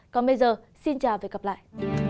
còn bây giờ xin chào và hẹn gặp lại